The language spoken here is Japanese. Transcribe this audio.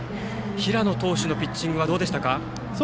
平野投手のピッチングはどうでしたか？